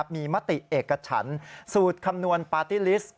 มีมติเอกฉันสูตรคำนวณปาร์ตี้ลิสต์